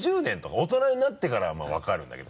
大人になってからは分かるんだけど。